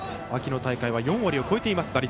秋の大会４割を超えています。